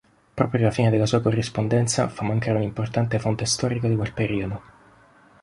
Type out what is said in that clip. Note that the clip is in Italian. Proprio la fine della sua corrispondenza fa mancare un'importante fonte storica di quel periodo.